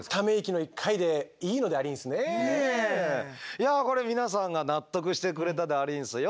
いやこれ皆さんが納得してくれたでありんすよ